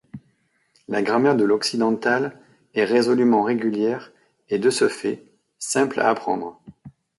La grammaire de l'occidental est résolument régulière et de ce fait, simple à apprendre.